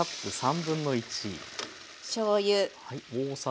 しょうゆ。